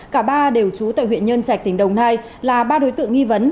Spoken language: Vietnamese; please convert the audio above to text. cả ba đều trú tại huyện nhân trạch tỉnh đồng nai là ba đối tượng nghi vấn